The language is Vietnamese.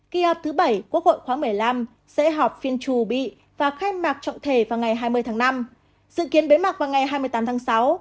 kỳ họp thứ bảy quốc hội khoáng một mươi năm sẽ họp phiên trù bị và khai mạc trọng thể vào ngày hai mươi tháng năm dự kiến bế mạc vào ngày hai mươi tám tháng sáu